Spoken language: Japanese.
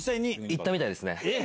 行ったみたいですね。